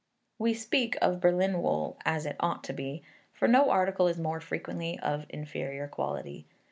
We speak of Berlin wool as it ought to be; for no article is more frequently of inferior quality.